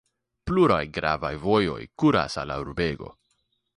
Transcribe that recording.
Pluraj gravaj vojoj kuras al la urbego.